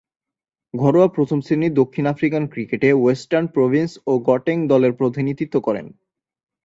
ঘরোয়া প্রথম-শ্রেণীর দক্ষিণ আফ্রিকান ক্রিকেটে ওয়েস্টার্ন প্রভিন্স ও গটেং দলের প্রতিনিধিত্ব করেন।